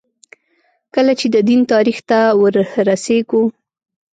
کله چې د دین تاریخ ته وررسېږو.